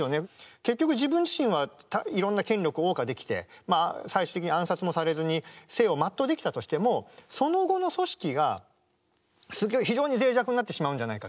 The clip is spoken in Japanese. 結局自分自身はいろんな権力をおう歌できてまあ最終的に暗殺もされずに生を全うできたとしてもその後の組織が非常にぜい弱になってしまうんじゃないか。